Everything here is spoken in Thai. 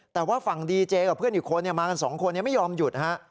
แต่ว่าฝั่งดีเจกับเพื่อนอีกคนมากันสองคนไม่ยอมหยุดฮะ